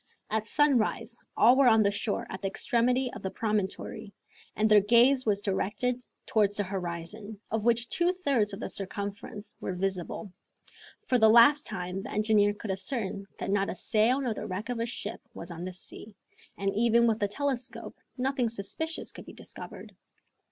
At sunrise all were on the shore at the extremity of the promontory, and their gaze was directed towards the horizon, of which two thirds of the circumference were visible. For the last time the engineer could ascertain that not a sail nor the wreck of a ship was on the sea, and even with the telescope nothing suspicious could be discovered.